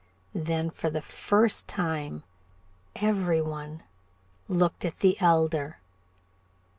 Then for the first time every one looked at the Elder.